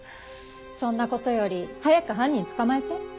そんな事より早く犯人捕まえて。